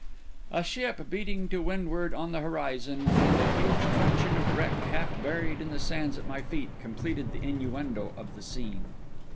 A ship beating to windward on the horizon, and a huge truncheon of wreck half buried in the sands at my feet, completed the innuendo of the scene.